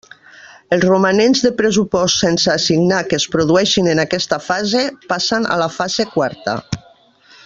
Els romanents de pressupost sense assignar que es produeixin en aquesta fase passen a la fase quarta.